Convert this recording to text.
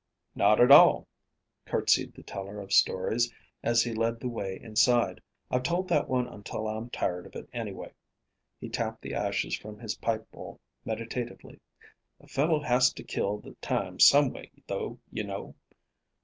"Not at all," courtesied the teller of stories, as he led the way inside. "I've told that one until I'm tired of it, anyway." He tapped the ashes from his pipe bowl, meditatively. "A fellow has to kill the time some way, though, you know."